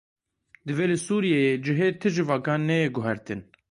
Divê li Sûriyeyê cihê ti civakan neyê guhertin.